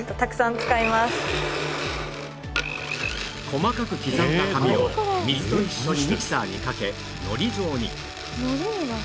細かく刻んだ紙を水と一緒にミキサーにかけのり状に